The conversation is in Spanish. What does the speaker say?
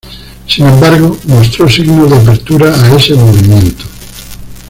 Sin embargo, mostró signos de apertura a ese movimiento.